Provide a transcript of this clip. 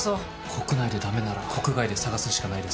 国内で駄目なら国外で探すしかないです。